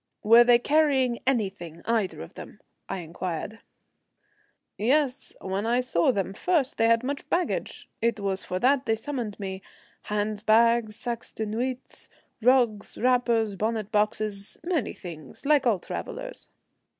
"Were they carrying anything, either of them?" I inquired. "Yes, when I saw them first they had much baggage. It was for that they summoned me. Handbags, sacs de nuit, rugs, wrappers, bonnet boxes, many things, like all travellers."